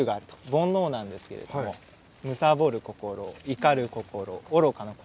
煩悩なんですけれどもむさぼる心怒る心愚かな心。